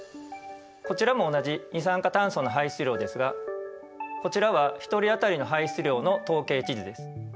こちらも同じ二酸化炭素の排出量ですがこちらは１人当たりの排出量の統計地図です。